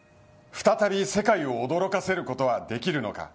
再び世界を驚かせることはできるのか。